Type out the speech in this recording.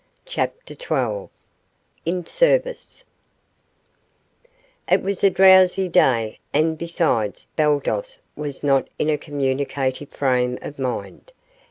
CHAPTER XII IN SERVICE It was a drowsy day, and, besides, Baldos was not in a communicative frame of mind.